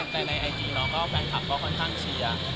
แต่ในไอจีเราก็แฟนคลับก็ค่อนข้างเชียร์